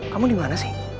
kamu dimana sih